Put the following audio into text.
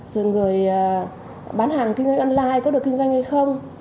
rồi người bán hàng kinh doanh online có được kinh doanh hay không